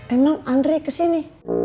emang andri kesini